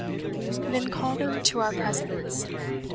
Then call them to our presence.